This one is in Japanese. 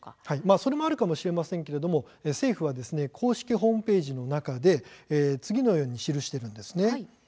それもあるかもしれませんが、政府は公式ホームページで次のように記しています。